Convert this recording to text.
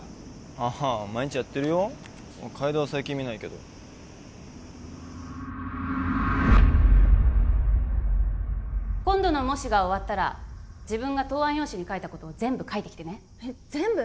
ああ毎日やってるよ楓は最近見ないけど今度の模試が終わったら自分が答案用紙に書いたことを全部書いてきてね全部？